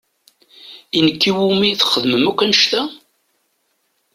I nekk i wumi txedmem akk annect-a?